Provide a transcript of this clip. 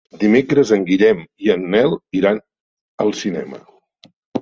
Dimecres en Guillem i en Nel iran al cinema.